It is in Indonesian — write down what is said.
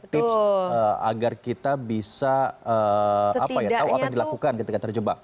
tips agar kita bisa tahu apa yang dilakukan ketika terjebak